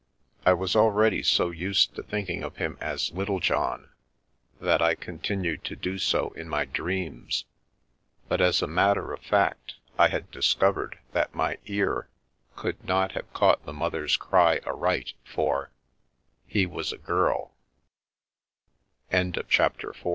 I was already so used to thinking of him as Littlejohn that I continued to do so in my dreams, but as a matter of fact I had discovered that my ear could not have caught the mother's cry a